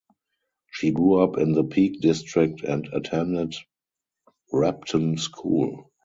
She grew up in the Peak District and attended Repton School.